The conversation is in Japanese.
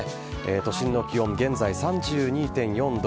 都心の気温現在、３２．４度。